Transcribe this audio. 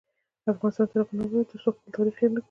افغانستان تر هغو نه ابادیږي، ترڅو خپل تاریخ هیر نکړو.